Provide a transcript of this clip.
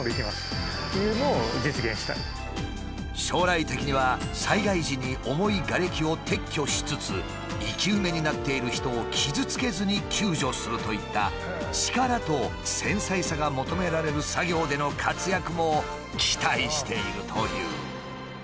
将来的には災害時に重いがれきを撤去しつつ生き埋めになっている人を傷つけずに救助するといった力と繊細さが求められる作業での活躍も期待しているという。